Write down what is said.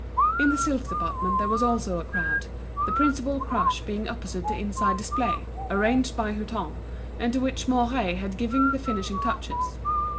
In the silk department there was also a crowd, the principal crush being opposite the inside display, arranged by Hutin, and to which Mouret had given the finishing touches.